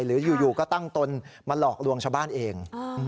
หรืออยู่ก็ตั้งตนมาหลอกลวงชาวบ้านเอง